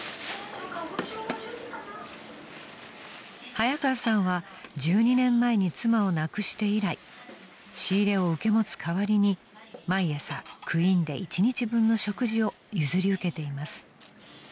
［早川さんは１２年前に妻を亡くして以来仕入れを受け持つ代わりに毎朝クインで一日分の食事を譲り受けています］